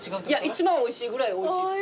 一番おいしいぐらいおいしいっす。